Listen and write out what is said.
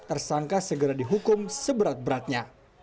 tersangka segera dihukum seberat beratnya